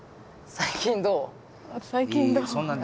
最近どう？